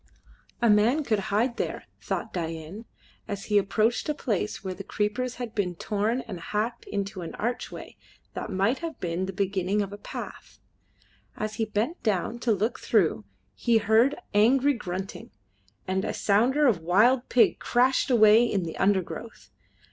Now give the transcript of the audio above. A man could hide there, thought Dain, as he approached a place where the creepers had been torn and hacked into an archway that might have been the beginning of a path. As he bent down to look through he heard angry grunting, and a sounder of wild pig crashed away in the undergrowth.